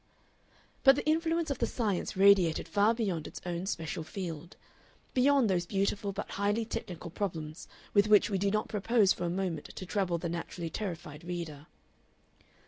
But the influence of the science radiated far beyond its own special field beyond those beautiful but highly technical problems with which we do not propose for a moment to trouble the naturally terrified reader.